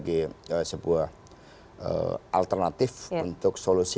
itu alternatif untuk solusi